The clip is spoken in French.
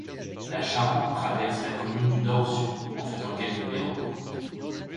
La Charente traverse la commune du nord au sud, en faisant quelques méandres.